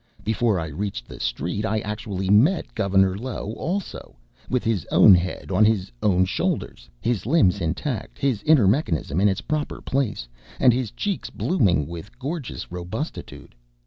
Before I reached the street, I actually met Gov. Low also, with his own head on his own shoulders, his limbs intact, his inner mechanism in its proper place, and his cheeks blooming with gorgeous robustitude.